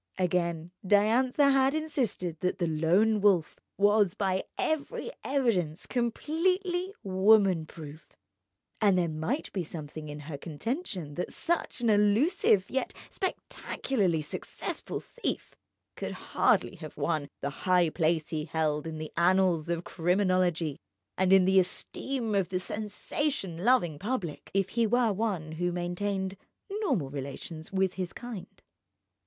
Again: Diantha had insisted that the Lone Wolf was by every evidence completely woman proof; and there might be something in her contention that such an elusive yet spectacularly successful thief could hardly have won the high place he held in the annals of criminology and in the esteem of the sensation loving public, if he were one who maintained normal relations with his kind.